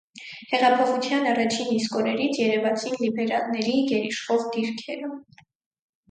Հեղափոխության առաջին իսկ օրերից երևացին լիբերալների գերիշխող դիրքերը։